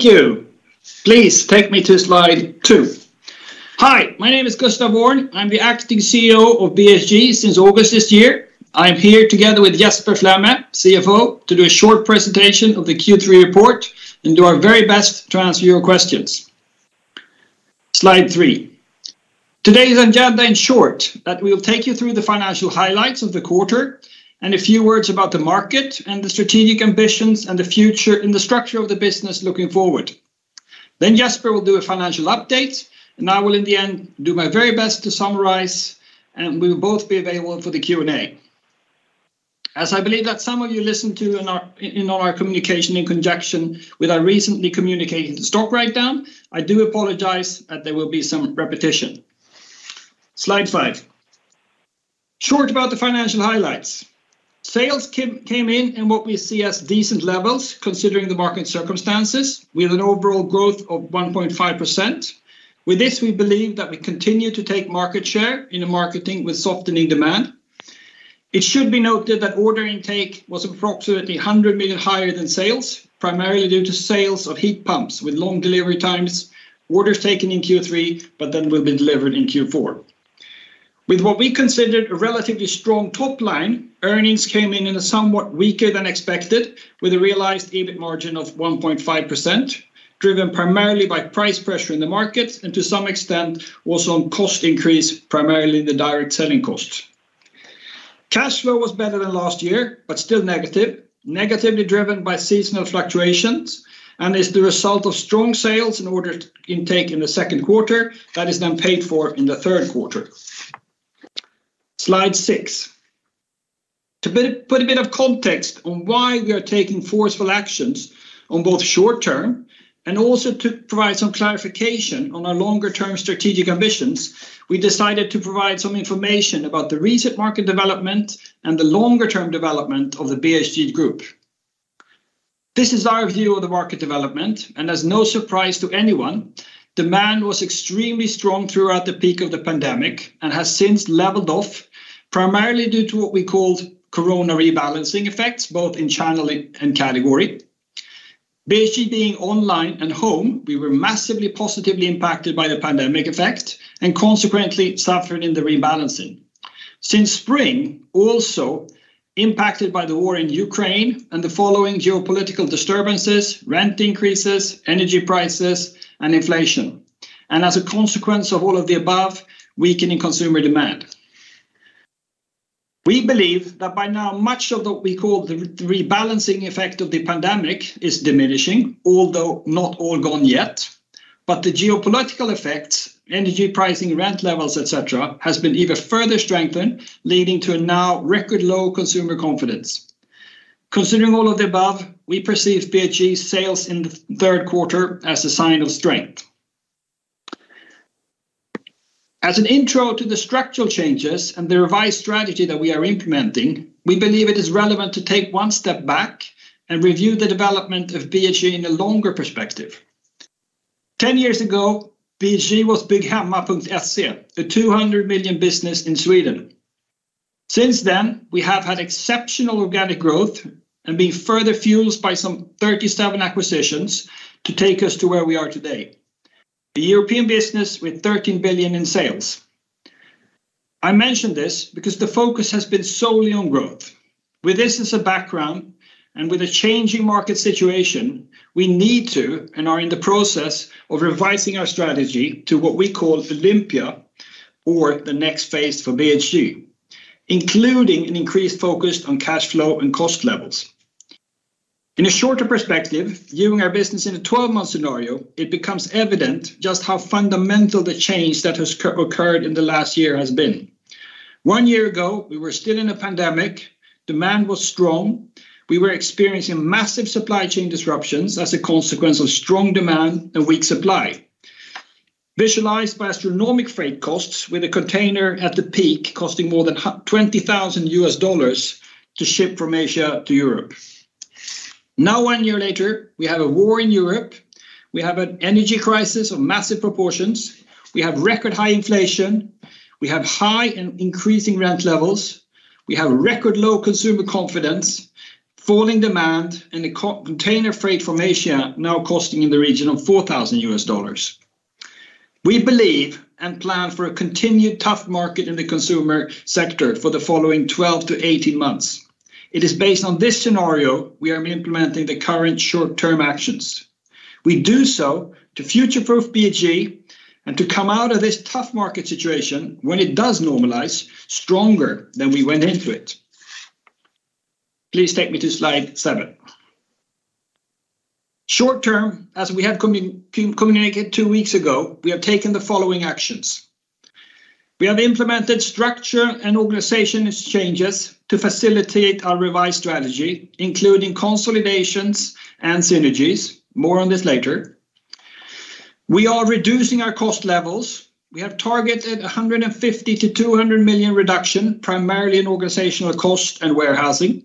Thank you. Please take me to slide two. Hi, my name is Gustaf Öhrn. I'm the acting CEO of BHG since August this year. I'm here together with Jesper Flemme, CFO, to do a short presentation of the Q3 report and do our very best to answer your questions. Slide three. Today's agenda in short that we will take you through the financial highlights of the quarter and a few words about the market and the strategic ambitions and the future and the structure of the business looking forward. Then Jesper will do a financial update, and I will in the end do my very best to summarize, and we'll both be available for the Q&A. As I believe that some of you listened to our communication in conjunction with our recent communication of the stock write-down, I do apologize that there will be some repetition. Slide five. Short about the financial highlights. Sales came in what we see as decent levels considering the market circumstances. We have an overall growth of 1.5%. With this, we believe that we continue to take market share in a market with softening demand. It should be noted that order intake was approximately 100 million higher than sales, primarily due to sales of heat pumps with long delivery times, orders taken in Q3, but then will be delivered in Q4. With what we considered a relatively strong top line, earnings came in a somewhat weaker than expected with a realized EBIT margin of 1.5%, driven primarily by price pressure in the market and to some extent also on cost increase, primarily in the direct selling cost. Cash flow was better than last year, but still negative, negatively driven by seasonal fluctuations, and is the result of strong sales in order intake in the second quarter that is then paid for in the third quarter. Slide six. To put a bit of context on why we are taking forceful actions on both short term and also to provide some clarification on our longer term strategic ambitions, we decided to provide some information about the recent market development and the longer term development of the BHG Group. This is our view of the market development, and as no surprise to anyone, demand was extremely strong throughout the peak of the pandemic and has since leveled off, primarily due to what we called corona rebalancing effects, both in channel and category. BHG being online and home, we were massively, positively impacted by the pandemic effect and consequently suffered in the rebalancing. Since spring, also impacted by the war in Ukraine and the following geopolitical disturbances, rent increases, energy prices, and inflation, and as a consequence of all of the above, weakening consumer demand. We believe that by now, much of what we call the rebalancing effect of the pandemic is diminishing, although not all gone yet, but the geopolitical effects, energy pricing, rent levels, et cetera, has been even further strengthened, leading to now record low consumer confidence. Considering all of the above, we perceive BHG sales in the third quarter as a sign of strength. As an intro to the structural changes and the revised strategy that we are implementing, we believe it is relevant to take one step back and review the development of BHG in a longer perspective. 10 years ago, BHG was Bygghemma.se, a 200 million business in Sweden. Since then, we have had exceptional organic growth and been further fueled by some 37 acquisitions to take us to where we are today, a European business with 13 billion in sales. I mention this because the focus has been solely on growth. With this as a background and with a changing market situation, we need to, and are in the process of revising our strategy to what we call Olympia or the next phase for BHG, including an increased focus on cash flow and cost levels. In a shorter perspective, viewing our business in a 12-month scenario, it becomes evident just how fundamental the change that has occurred in the last year has been. One year ago, we were still in a pandemic. Demand was strong. We were experiencing massive supply chain disruptions as a consequence of strong demand and weak supply. Visualized by astronomical freight costs with a container at the peak costing more than $20,000 to ship from Asia to Europe. Now, one year later, we have a war in Europe. We have an energy crisis of massive proportions. We have record high inflation. We have high and increasing rent levels. We have record low consumer confidence, falling demand, and the container freight from Asia now costing in the region of $4,000. We believe and plan for a continued tough market in the consumer sector for the following 12-18 months. It is based on this scenario. We are implementing the current short-term actions. We do so to future-proof BHG and to come out of this tough market situation when it does normalize stronger than we went into it. Please take me to slide seven. Short-term, as we have communicated two weeks ago, we have taken the following actions. We have implemented structure and organization changes to facilitate our revised strategy, including consolidations and synergies. More on this later. We are reducing our cost levels. We have targeted a 150 million-200 million reduction, primarily in organizational cost and warehousing.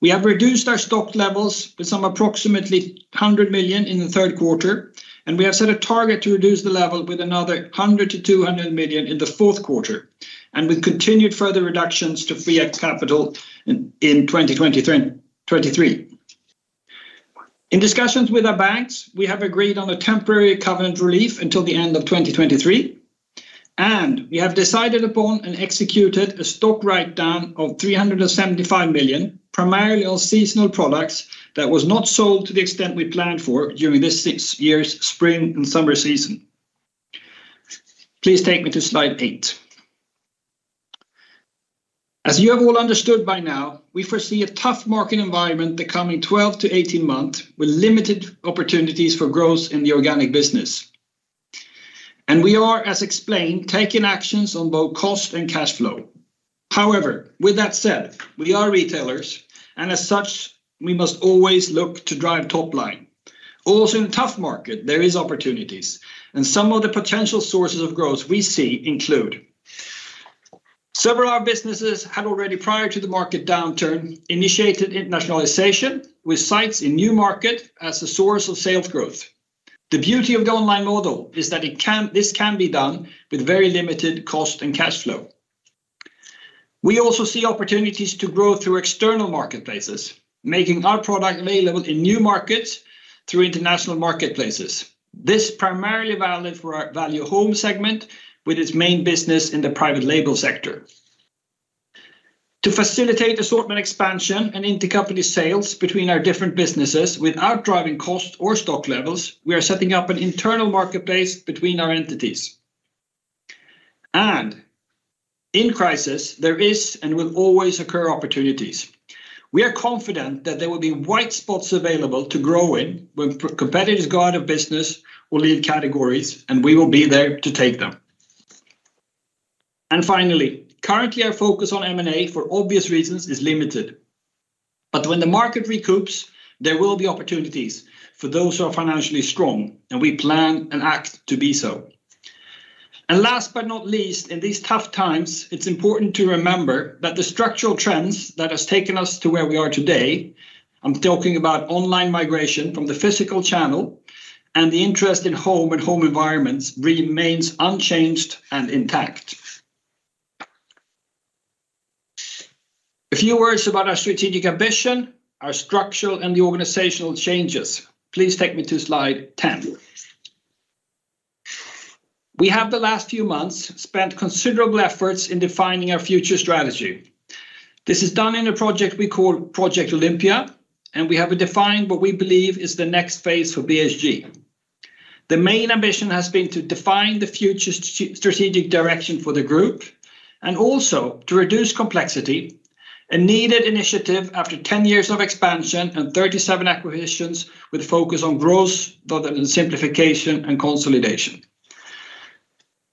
We have reduced our stock levels by approximately 100 million SEK in the third quarter, and we have set a target to reduce the level by another 100-200 million SEK in the fourth quarter. We continued further reductions to free up capital in 2023. In discussions with our banks, we have agreed on a temporary covenant relief until the end of 2023, and we have decided upon and executed a stock write-down of 375 million, primarily on seasonal products that was not sold to the extent we planned for during this year's spring and summer season. Please take me to slide eight. As you have all understood by now, we foresee a tough market environment the coming 12-18 months, with limited opportunities for growth in the organic business. We are, as explained, taking actions on both cost and cash flow. However, with that said, we are retailers, and as such, we must always look to drive top line. Also in tough market, there is opportunities, and some of the potential sources of growth we see include. Several of our businesses had already, prior to the market downturn, initiated internationalization with sites in new market as a source of sales growth. The beauty of the online model is that this can be done with very limited cost and cash flow. We also see opportunities to grow through external marketplaces, making our product available in new markets through international marketplaces. This primarily valid for our Value Home segment with its main business in the private label sector. To facilitate assortment expansion and intercompany sales between our different businesses without driving cost or stock levels, we are setting up an internal marketplace between our entities. In crisis, there is and will always occur opportunities. We are confident that there will be white spots available to grow in when competitors go out of business or leave categories, and we will be there to take them. Finally, currently, our focus on M&A, for obvious reasons, is limited. When the market recoups, there will be opportunities for those who are financially strong, and we plan and act to be so. Last but not least, in these tough times, it's important to remember that the structural trends that has taken us to where we are today, I'm talking about online migration from the physical channel, and the interest in home and home environments remains unchanged and intact. A few words about our strategic ambition, our structural and the organizational changes. Please take me to slide 10. We have the last few months spent considerable efforts in defining our future strategy. This is done in a project we call Project Olympia, and we have defined what we believe is the next phase for BHG. The main ambition has been to define the future strategic direction for the group and also to reduce complexity, a needed initiative after 10 years of expansion and 37 acquisitions with focus on growth rather than simplification and consolidation.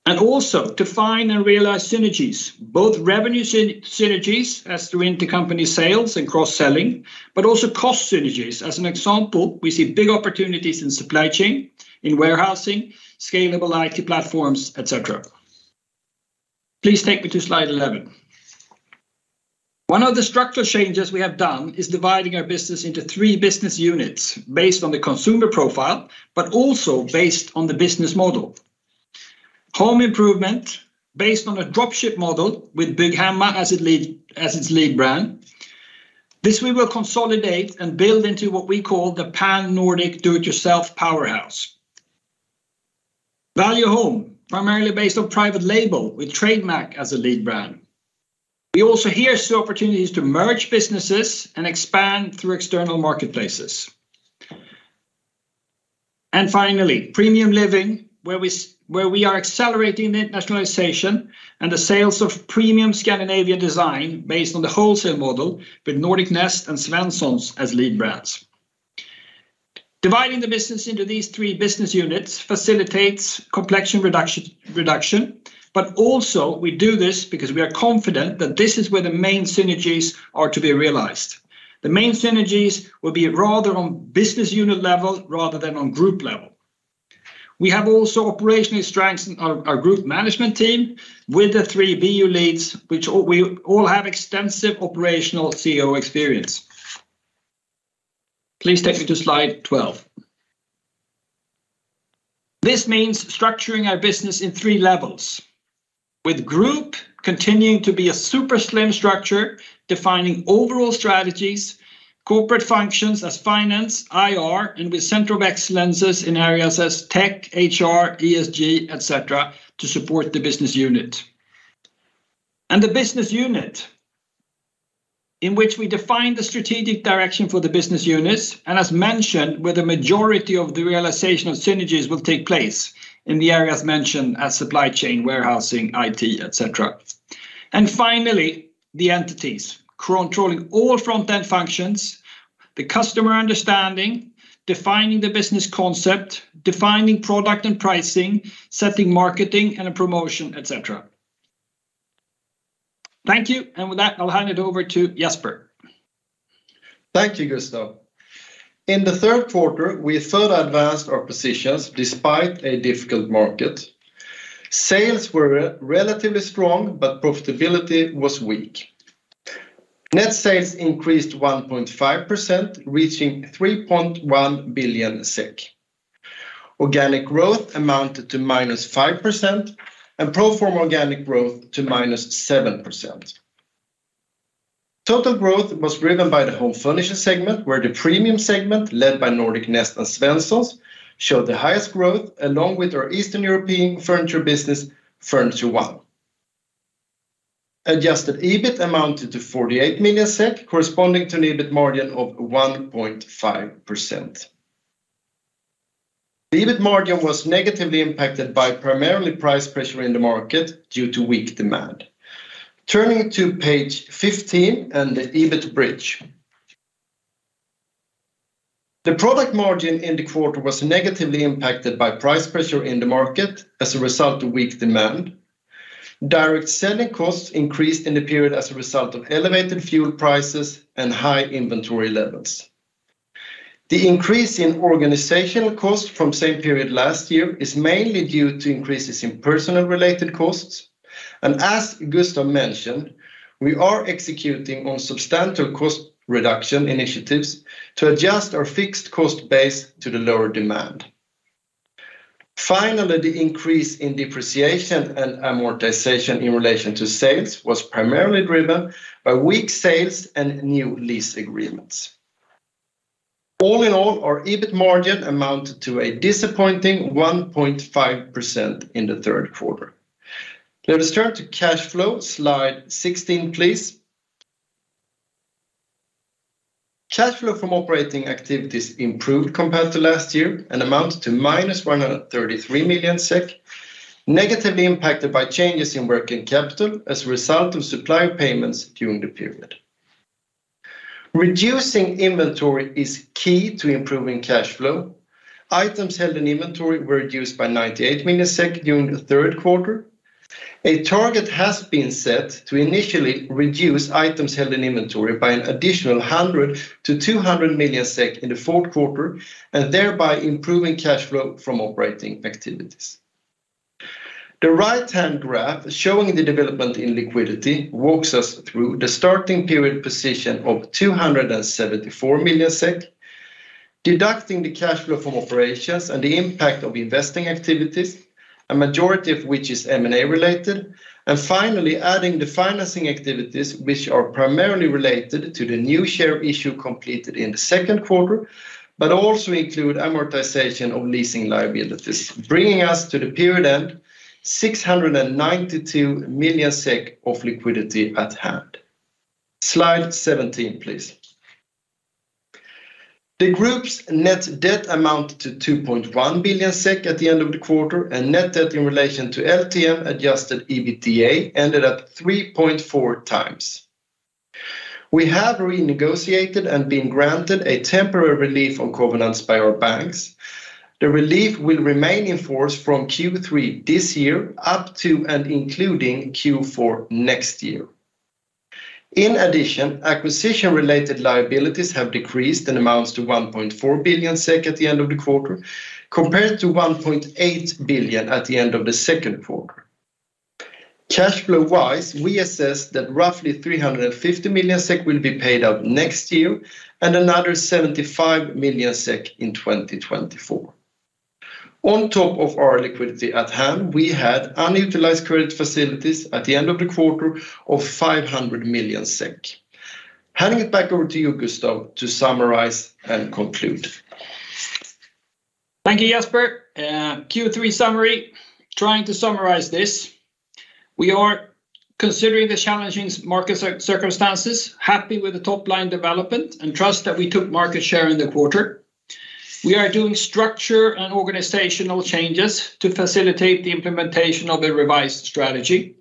Also to find and realize synergies, both revenue synergies such as through intercompany sales and cross-selling, but also cost synergies. As an example, we see big opportunities in supply chain, in warehousing, scalable IT platforms, et cetera. Please take me to slide 11. One of the structural changes we have done is dividing our business into three business units based on the consumer profile, but also based on the business model. Home Improvement based on a drop-ship model with Bygghemma as its lead brand. This we will consolidate and build into what we call the pan-Nordic do-it-yourself powerhouse. Value Home, primarily based on private label with Trademax as a lead brand. We also here see opportunities to merge businesses and expand through external marketplaces. Finally, Premium Living, where we are accelerating internationalization and the sales of premium Scandinavian design based on the wholesale model with Nordic Nest and Svenssons as lead brands. Dividing the business into these three business units facilitates complexity reduction, but also we do this because we are confident that this is where the main synergies are to be realized. The main synergies will be rather on business unit level rather than on group level. We have also operationally strengthened our group management team with the three BU leads, we all have extensive operational CEO experience. Please take me to slide 12. This means structuring our business in three levels, with group continuing to be a super slim structure, defining overall strategies, corporate functions as finance, IR, and with centers of excellence in areas as tech, HR, ESG, et cetera, to support the business unit. The business unit in which we define the strategic direction for the business units, and as mentioned, where the majority of the realization of synergies will take place in the areas mentioned as supply chain, warehousing, IT, et cetera. Finally, the entities, controlling all front-end functions, the customer understanding, defining the business concept, defining product and pricing, setting marketing and a promotion, et cetera. Thank you. With that, I'll hand it over to Jesper. Thank you, Gustaf. In the third quarter, we further advanced our positions despite a difficult market. Sales were relatively strong, but profitability was weak. Net sales increased 1.5%, reaching 3.1 billion SEK. Organic growth amounted to -5% and pro forma organic growth to -7%. Total growth was driven by the home furniture segment, where the premium segment led by Nordic Nest and Svenssons showed the highest growth along with our Eastern European furniture business, Furniturebox. Adjusted EBIT amounted to 48 million SEK, corresponding to an EBIT margin of 1.5%. The EBIT margin was negatively impacted by primarily price pressure in the market due to weak demand. Turning to page 15 and the EBIT bridge. The product margin in the quarter was negatively impacted by price pressure in the market as a result of weak demand. Direct selling costs increased in the period as a result of elevated fuel prices and high inventory levels. The increase in organizational costs from same period last year is mainly due to increases in personnel related costs. As Gustaf mentioned, we are executing on substantial cost reduction initiatives to adjust our fixed cost base to the lower demand. Finally, the increase in depreciation and amortization in relation to sales was primarily driven by weak sales and new lease agreements. All in all, our EBIT margin amounted to a disappointing 1.5% in the third quarter. Let us turn to cash flow. Slide 16, please. Cash flow from operating activities improved compared to last year and amounted to -133 million SEK, negatively impacted by changes in working capital as a result of supplier payments during the period. Reducing inventory is key to improving cash flow. Items held in inventory were reduced by 98 million during the third quarter. A target has been set to initially reduce items held in inventory by an additional 100-200 million SEK in the fourth quarter and thereby improving cash flow from operating activities. The right-hand graph showing the development in liquidity walks us through the starting period position of 274 million SEK, deducting the cash flow from operations and the impact of investing activities, a majority of which is M&A related, and finally adding the financing activities which are primarily related to the new share issue completed in the second quarter, but also include amortization of leasing liabilities, bringing us to the period end 692 million SEK of liquidity at hand. Slide 17, please. The group's net debt amounted to 2.1 billion SEK at the end of the quarter, and net debt in relation to LTM adjusted EBITDA ended at 3.4x. We have renegotiated and been granted a temporary relief on covenants by our banks. The relief will remain in force from Q3 this year up to and including Q4 next year. In addition, acquisition-related liabilities have decreased and amounts to 1.4 billion SEK at the end of the quarter, compared to 1.8 billion at the end of the second quarter. Cash flow-wise, we assess that roughly 350 million SEK will be paid out next year and another 75 million SEK in 2024. On top of our liquidity at hand, we had unutilized credit facilities at the end of the quarter of 500 million SEK. Handing it back over to you, Gustaf, to summarize and conclude. Thank you, Jesper. Q3 summary. Trying to summarize this. We are considering the challenging market circumstances, happy with the top-line development and trust that we took market share in the quarter. We are doing structural and organizational changes to facilitate the implementation of a revised strategy.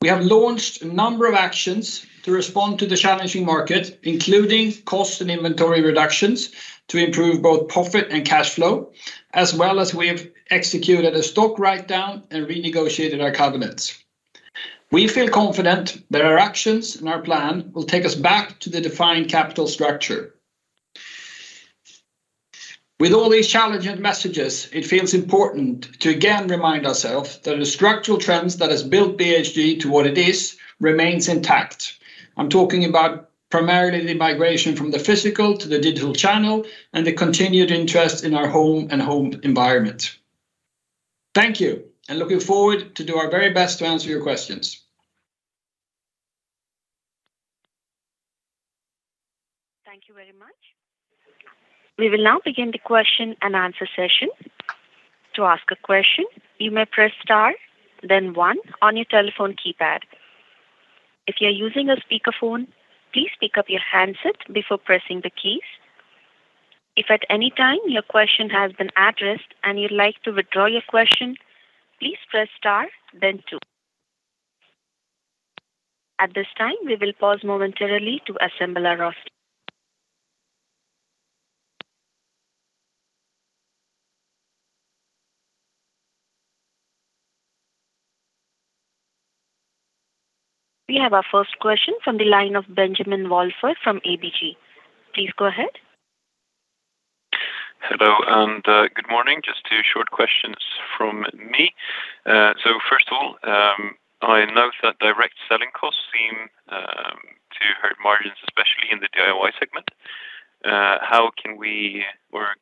We have launched a number of actions to respond to the challenging market, including cost and inventory reductions to improve both profit and cash flow, as well as we have executed a stock write-down and renegotiated our covenants. We feel confident that our actions and our plan will take us back to the defined capital structure. With all these challenging messages, it feels important to again remind ourselves that the structural trends that has built BHG to what it is remains intact. I'm talking about primarily the migration from the physical to the digital channel and the continued interest in our home and home environment. Thank you, and looking forward to do our very best to answer your questions. Thank you very much. We will now begin the question and answer session. To ask a question, you may press star then one on your telephone keypad. If you're using a speakerphone, please pick up your handset before pressing the keys. If at any time your question has been addressed and you'd like to withdraw your question, please press star then two. At this time, we will pause momentarily to assemble our roster. We have our first question from the line of Benjamin Wahlstedt from ABG. Please go ahead. Hello and good morning. Just two short questions from me. First of all, I note that direct selling costs seem to hurt margins, especially in the DIY segment. How can we work?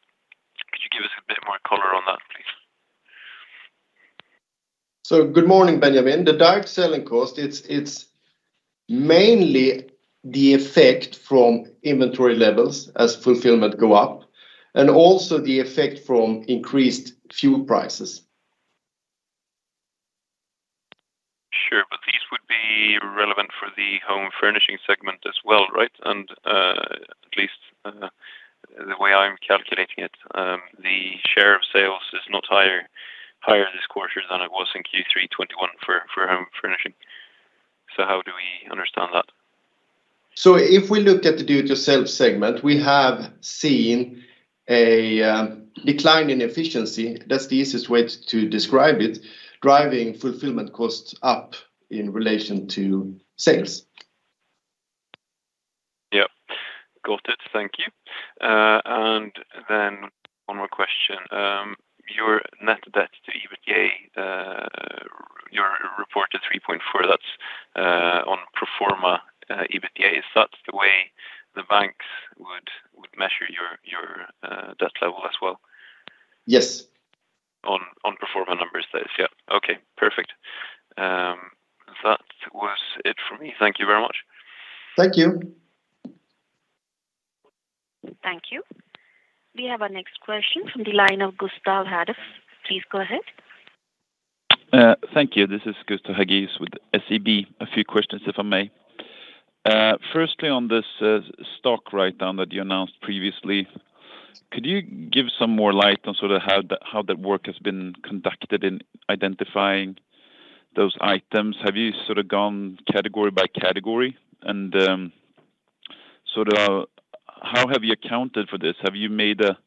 Could you give us a bit more color on that, please? Good morning, Benjamin. The direct selling cost, it's mainly the effect from inventory levels as fulfillment go up and also the effect from increased fuel prices. Sure. These would be relevant for the home furnishing segment as well, right? At least the way I'm calculating it, the share of sales is not higher this quarter than it was in Q3 2021 for home furnishing. How do we understand that? If we look at the do-it-yourself segment, we have seen a decline in efficiency. That's the easiest way to describe it. Driving fulfillment costs up in relation to sales. Yeah, got it. Thank you. One more question. Your net debt to EBITDA ratio to 3.4, that's on pro forma EBITDA. Is that the way the banks would measure your debt level as well? Yes. On pro forma numbers, that is. Yeah. Okay, perfect. That was it for me. Thank you very much. Thank you. Thank you. We have our next question from the line of Gustav Hagius. Please go ahead. Thank you. This is Gustav Hagius with SEB. A few questions if I may. Firstly on this stock write-down that you announced previously, could you give some more light on sort of how the work has been conducted in identifying those items? Have you sort of gone category by category? Sort of, how have you accounted for this? Have you made a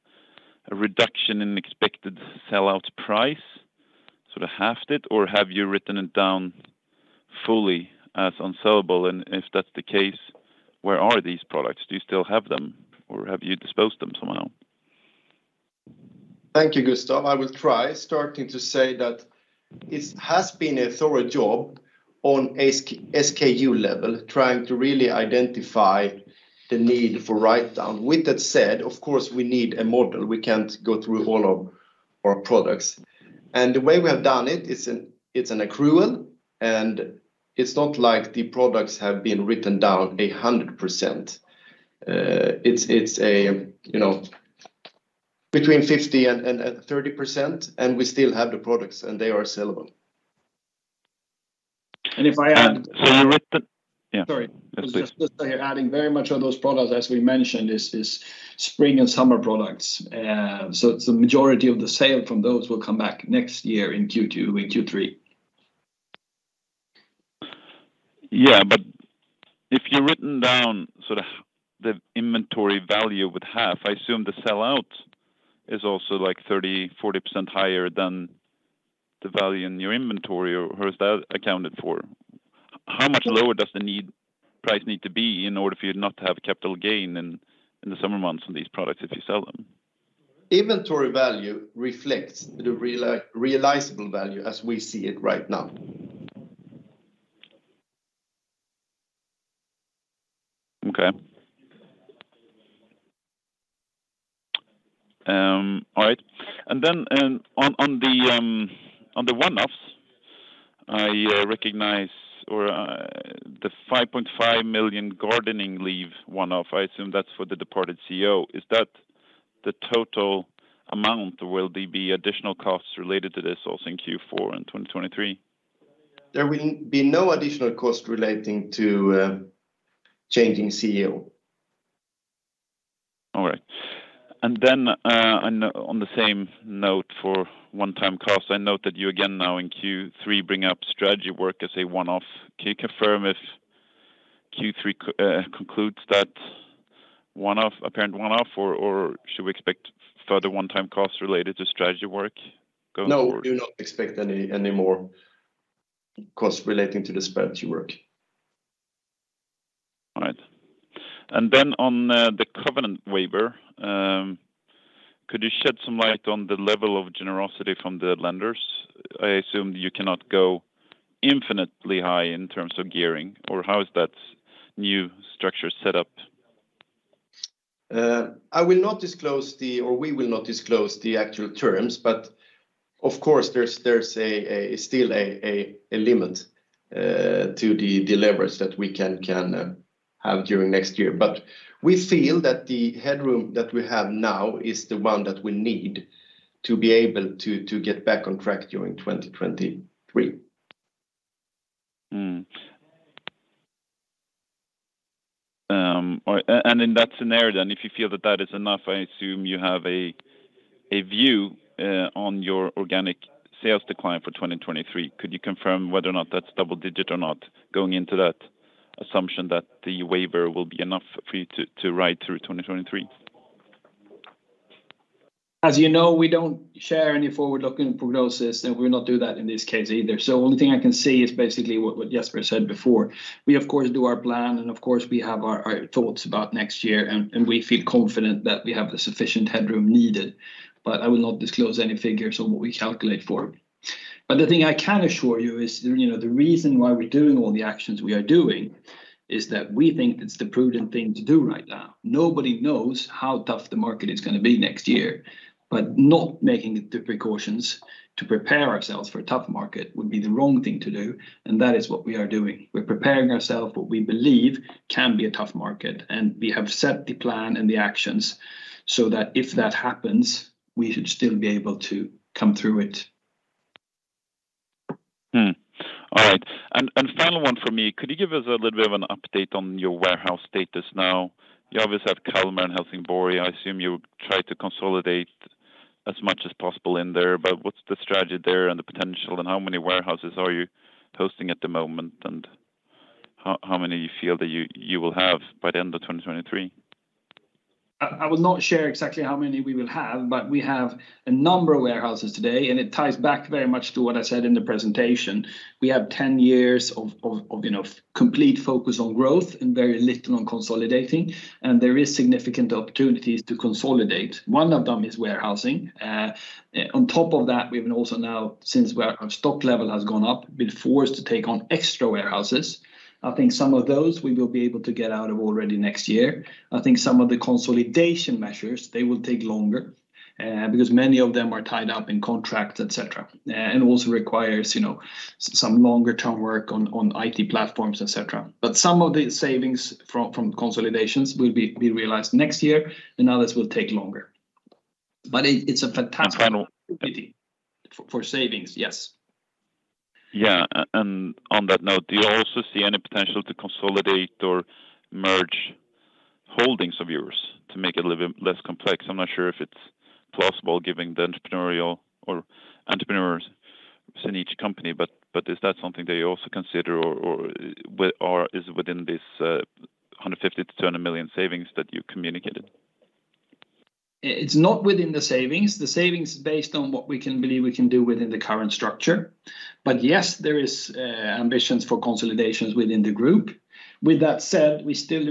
reduction in expected sellout price, sort of halved it, or have you written it down fully as unsellable? If that's the case, where are these products? Do you still have them or have you disposed them somehow? Thank you, Gustav. I will try starting to say that it has been a thorough job on SKU level, trying to really identify the need for write-down. With that said, of course we need a model. We can't go through all of our products. The way we have done it is, it's an accrual, and it's not like the products have been written down 100%. It's a, you know, between 50% and 30%, and we still have the products and they are sellable. If I add. Yeah. Sorry. Please. Gustaf here. Adding very much of those products as we mentioned is spring and summer products. The majority of the sale from those will come back next year in Q2, in Q3. Yeah. If you've written down sort of the inventory value with half, I assume the sellout is also like 30%-40% higher than the value in your inventory or how is that accounted for? How much lower does the net price need to be in order for you not to have a capital gain in the summer months on these products if you sell them? Inventory value reflects the realizable value as we see it right now. On the one-offs, I recognize the 5.5 million gardening leave one-off. I assume that's for the departed CEO. Is that the total amount? Will there be additional costs related to this also in Q4 in 2023? There will be no additional cost relating to changing CEO. All right. On the same note for one-time costs, I note that you again now in Q3 bring up strategy work as a one-off. Can you confirm if Q3 concludes that one-off, apparent one-off or should we expect further one-time costs related to strategy work going forward? No, we do not expect any more cost relating to the strategy work. All right. On the covenant waiver, could you shed some light on the level of generosity from the lenders? I assume you cannot go infinitely high in terms of gearing or how is that new structure set up? We will not disclose the actual terms, but of course there's a limit to the levers that we can have during next year. We feel that the headroom that we have now is the one that we need to be able to get back on track during 2023. In that scenario, if you feel that that is enough, I assume you have a view on your organic sales decline for 2023. Could you confirm whether or not that's double digit or not going into that assumption that the waiver will be enough for you to ride through 2023? As you know, we don't share any forward-looking prognosis, and we'll not do that in this case either. Only thing I can say is basically what Jesper said before. We of course do our plan, and of course we have our thoughts about next year and we feel confident that we have the sufficient headroom needed. I will not disclose any figures on what we calculate for. The thing I can assure you is, you know, the reason why we're doing all the actions we are doing is that we think it's the prudent thing to do right now. Nobody knows how tough the market is gonna be next year, but not making the precautions to prepare ourselves for a tough market would be the wrong thing to do, and that is what we are doing. We're preparing ourselves for what we believe can be a tough market, and we have set the plan and the actions so that if that happens, we should still be able to come through it. All right. Final one from me. Could you give us a little bit of an update on your warehouse status now? You obviously have Kalmar and Helsingborg. I assume you try to consolidate as much as possible in there, but what's the strategy there and the potential and how many warehouses are you hosting at the moment and how many you feel that you will have by the end of 2023? I will not share exactly how many we will have, but we have a number of warehouses today, and it ties back very much to what I said in the presentation. We have 10 years of, you know, complete focus on growth and very little on consolidating, and there is significant opportunities to consolidate. One of them is warehousing. On top of that, we've also now, since our stock level has gone up, been forced to take on extra warehouses. I think some of those we will be able to get out of already next year. I think some of the consolidation measures, they will take longer, because many of them are tied up in contracts, et cetera, and also requires, you know, some longer term work on IT platforms, et cetera. Some of the savings from consolidations will be realized next year, and others will take longer. It's a fantastic. And final- opportunity for savings. Yes. On that note, do you also see any potential to consolidate or merge holdings of yours to make it a little bit less complex? I'm not sure if it's plausible given the entrepreneurs in each company, but is that something that you also consider or is it within this 150 million-200 million savings that you communicated? It's not within the savings. The savings is based on what we can believe we can do within the current structure. Yes, there is ambitions for consolidations within the group. With that said, we still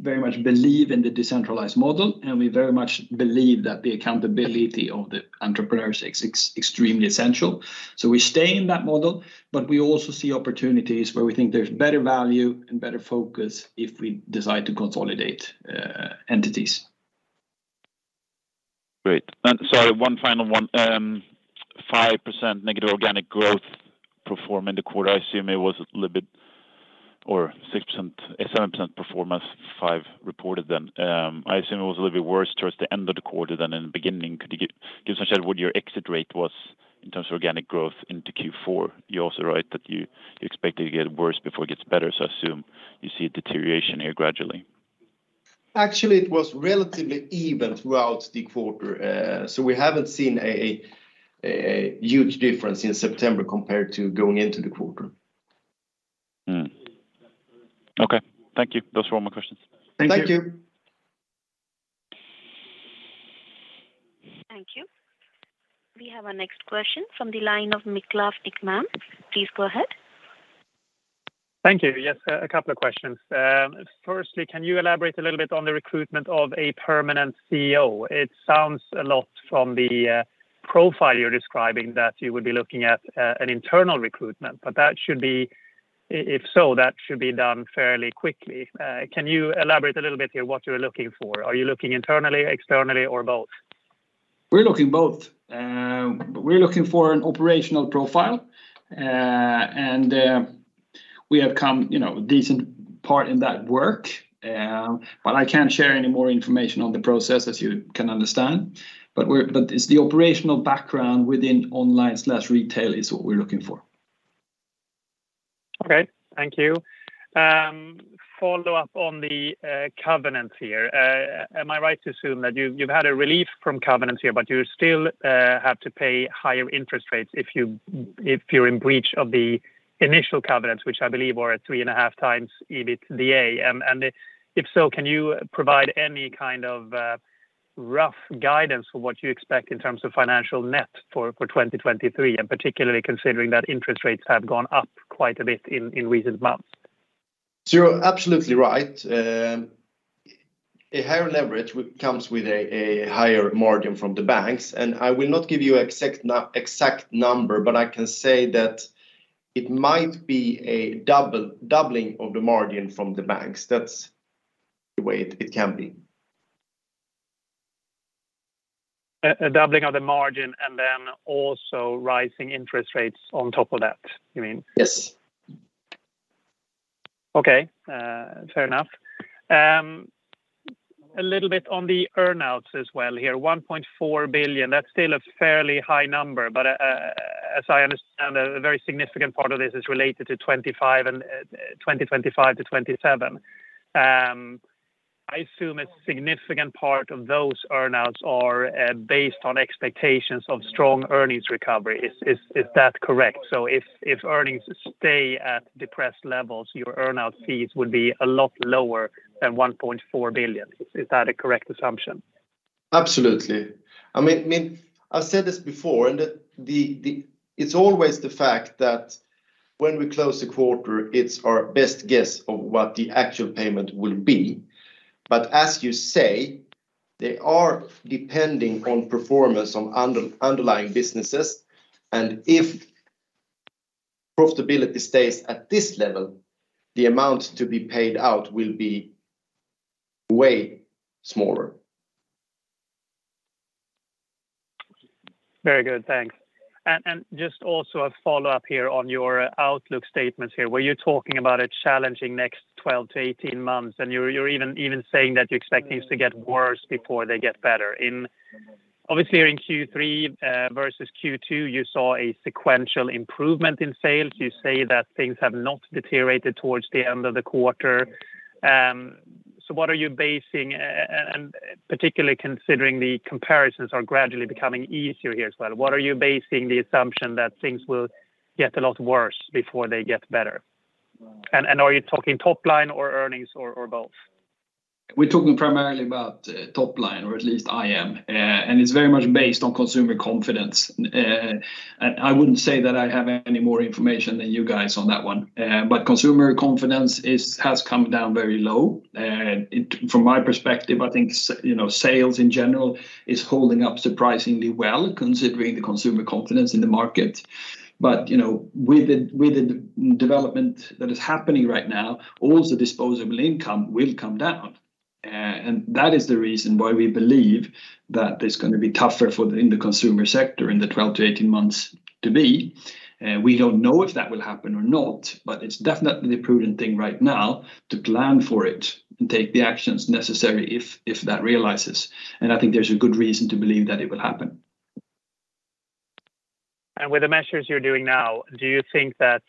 very much believe in the decentralized model, and we very much believe that the accountability of the entrepreneurs is extremely essential. We stay in that model, but we also see opportunities where we think there's better value and better focus if we decide to consolidate entities. Great. Sorry, one final one. -5% organic growth performance in the quarter. I assume it was a little bit worse towards the end of the quarter than in the beginning. Could you give some color on what your exit rate was in terms of organic growth into Q4? You also write that you expect it to get worse before it gets better, so I assume you see a deterioration here gradually. Actually, it was relatively even throughout the quarter. We haven't seen a huge difference in September compared to going into the quarter. Okay. Thank you. Those were all my questions. Thank you. Thank you. Thank you. We have our next question from the line of Mislav Ikman. Please go ahead. Thank you. Yes, a couple of questions. Firstly, can you elaborate a little bit on the recruitment of a permanent CEO? It sounds like from the profile you're describing that you would be looking at an internal recruitment, but that should be. If so, that should be done fairly quickly. Can you elaborate a little bit here what you're looking for? Are you looking internally, externally, or both? We're looking for an operational profile, and we have come, you know, decent part in that work, but I can't share any more information on the process as you can understand. It's the operational background within online retail is what we're looking for. Okay. Thank you. Follow up on the covenants here. Am I right to assume that you've had a relief from covenants here, but you still have to pay higher interest rates if you're in breach of the initial covenants, which I believe are at 3.5x EBITDA? If so, can you provide any kind of rough guidance for what you expect in terms of financial net for 2023, and particularly considering that interest rates have gone up quite a bit in recent months? You're absolutely right. A higher leverage comes with a higher margin from the banks. I will not give you exact number, but I can say that it might be a doubling of the margin from the banks. That's the way it can be. A doubling of the margin and then also rising interest rates on top of that, you mean? Yes. Okay. Fair enough. A little bit on the earn outs as well here. 1.4 billion, that's still a fairly high number. As I understand, a very significant part of this is related to 2025 to 2027. I assume a significant part of those earn outs are based on expectations of strong earnings recovery. Is that correct? If earnings stay at depressed levels, your earn out fees would be a lot lower than 1.4 billion. Is that a correct assumption? Absolutely. I mean, I've said this before, it's always the fact that when we close a quarter, it's our best guess of what the actual payment will be. As you say, they are depending on performance of underlying businesses. If profitability stays at this level, the amount to be paid out will be way smaller. Very good. Thanks. Just also a follow-up here on your outlook statements here, where you're talking about a challenging next 12-18 months, and you're even saying that you expect things to get worse before they get better. Obviously, in Q3 versus Q2, you saw a sequential improvement in sales. You say that things have not deteriorated towards the end of the quarter. So what are you basing and particularly considering the comparisons are gradually becoming easier here as well, what are you basing the assumption that things will get a lot worse before they get better? Are you talking top line or earnings or both? We're talking primarily about top line, or at least I am. It's very much based on consumer confidence. I wouldn't say that I have any more information than you guys on that one. Consumer confidence has come down very low. From my perspective, I think you know, sales in general is holding up surprisingly well considering the consumer confidence in the market. You know, with the development that is happening right now, all the disposable income will come down. That is the reason why we believe that it's gonna be tougher in the consumer sector in the 12-18 months to be. We don't know if that will happen or not, but it's definitely the prudent thing right now to plan for it and take the actions necessary if that realizes. I think there's a good reason to believe that it will happen. With the measures you're doing now, do you think that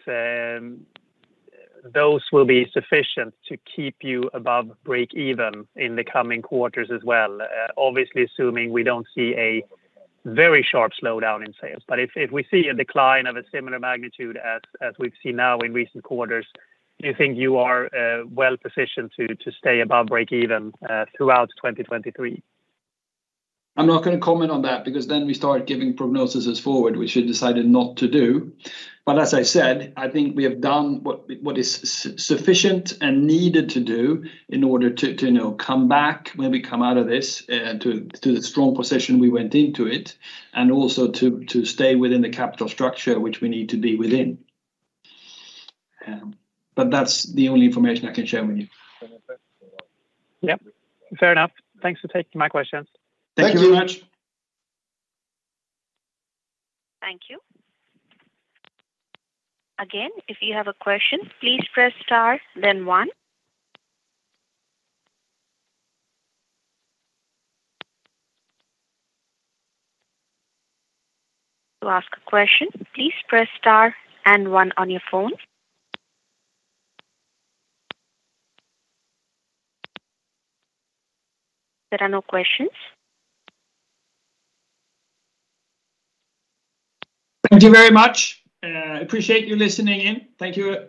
those will be sufficient to keep you above break even in the coming quarters as well? Obviously assuming we don't see a very sharp slowdown in sales. If we see a decline of a similar magnitude as we've seen now in recent quarters, do you think you are well-positioned to stay above break even throughout 2023? I'm not gonna comment on that because then we start giving prognoses forward, which we decided not to do. As I said, I think we have done what is sufficient and needed to do in order to, you know, come back when we come out of this, to the strong position we went into it, and also to stay within the capital structure which we need to be within. That's the only information I can share with you. Yep. Fair enough. Thanks for taking my questions. Thank you very much. Thank you. Again, if you have a question, please press star then one. To ask a question, please press star and one on your phone. There are no questions. Thank you very much. Appreciate you listening in. Thank you.